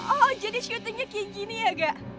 oh jadi syutingnya kayak gini ya ga